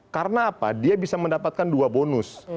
karena apa dia bisa mendapatkan dua bonus